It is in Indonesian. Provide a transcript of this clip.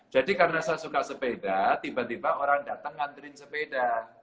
jadi karena saya suka sepeda tiba tiba orang datang ngantriin sepeda